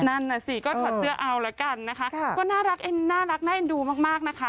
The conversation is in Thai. นั่นสิก็ถอดเสื้อเอาแล้วกันนะคะก็น่ารักเอ็นดูมากนะคะ